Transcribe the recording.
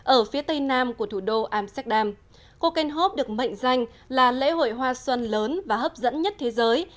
ở phía tây nam của thủ đô amsterdam cokenhov được mệnh danh là lễ hội hoa xuân lớn và hấp dẫn nhất thế giới